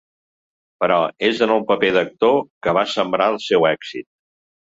Però és en el paper d’actor que va sembrar el seu èxit.